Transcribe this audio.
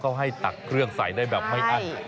เขาให้ตักเครื่องใส่ได้แบบไม่อั้น